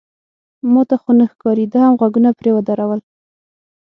ما ته خو نه ښکاري، ده هم غوږونه پرې ودرول.